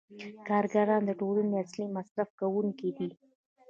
کارګران د ټولنې اصلي مصرف کوونکي دي